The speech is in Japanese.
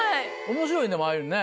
面白いねああいうのね。